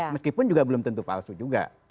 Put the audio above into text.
meskipun juga belum tentu palsu juga